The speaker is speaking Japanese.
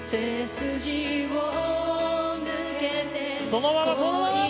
そのままそのまま！